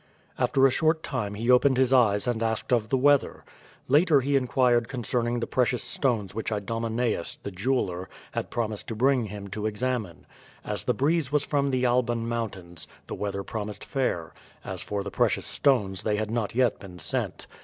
After a short time he opened his eyes and asked of the weather. Later he inquired concerning the precious stones which Idomeneus, the jeweler, had promised to bring him to examine. As the breeze was from the Alban mountains, the weather promised fair; as for the precious stones they had not yet been sent.